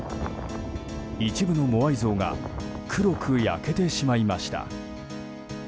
一部のモアイ像が黒く焼けてしまいました。